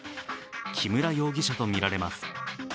木村容疑者とみられます。